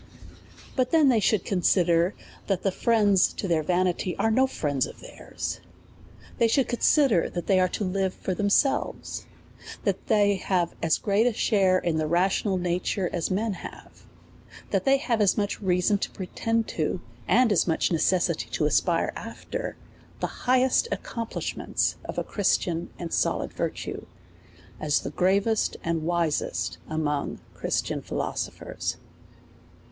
But then they should consider, that the friends to their vanity are no friends of theirs : they should consi der, that they are to live for themselves, that they have as great a share in the rational nature as men have ; that they have as much reason to pretend, and as much necessity to aspire after the highest accom plishments of a Christian and solid virtue, as the grav est and wisest amongst Christian philosophers.